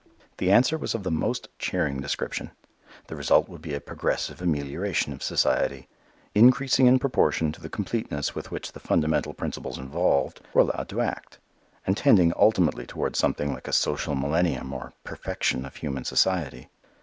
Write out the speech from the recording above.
The answer was of the most cheering description. The result would be a progressive amelioration of society, increasing in proportion to the completeness with which the fundamental principles involved were allowed to act, and tending ultimately towards something like a social millennium or perfection of human society.